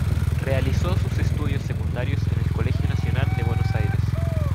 Realizó sus estudios secundarios en el Colegio Nacional de Buenos Aires.